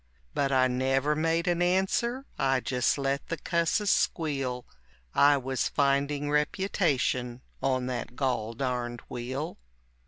But I never made an answer, I just let the cusses squeal, I was finding reputation on that gol darned wheel.